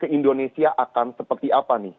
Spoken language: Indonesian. indonesia akan seperti apa nih